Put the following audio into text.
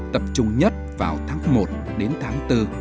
tập trung nhất vào tháng một đến tháng bốn